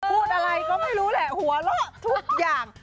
พูดอะไรก็ไม่รู้แหละหัวเราะทุกอย่าง